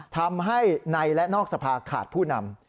ทำให้ในและนอกสภาขาดผู้นำ